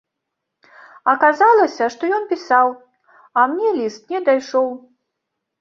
Аказалася, што ён пісаў, а мне ліст не дайшоў.